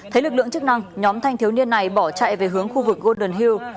thấy lực lượng chức năng nhóm thanh thiếu niên này bỏ chạy về hướng khu vực golden hill